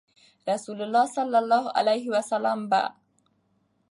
رسول الله صلی الله عليه وسلم به